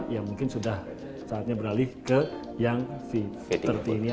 ya mungkin sudah saatnya beralih ke yang tiga puluh ini